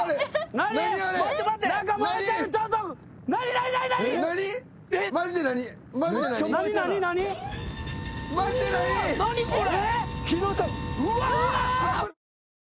何これ！？